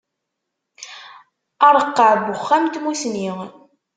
Areqqeɛ n Uxxam n Tmusni.